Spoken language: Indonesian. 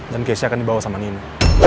dan keisha akan dibawa sama nino